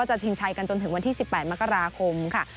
จนถึงวันที่๑๘มกราคมค่ะ